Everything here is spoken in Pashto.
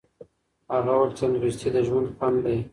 هغه وویل چې تندرستي د ژوند خوند دی.